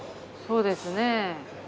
そうですね。